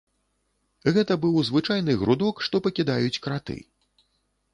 Гэта быў звычайны грудок, што пакідаюць краты.